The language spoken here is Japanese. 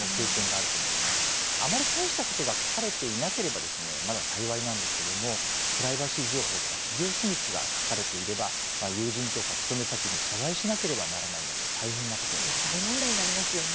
あまり大したことが書かれていなければまだ幸いなんですけれどもプライバシー情報とか企業秘密が書かれていれば友人とか勤め先に謝罪しなければならないなど大問題になりますよね。